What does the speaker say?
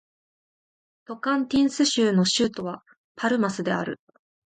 トカンティンス州の州都はパルマスである